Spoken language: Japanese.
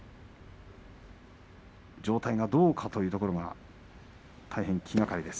状態がどうかというところが大変気がかりです。